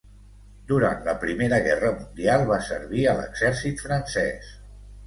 Durant la Primera Guerra Mundial va servir a l'exèrcit francès.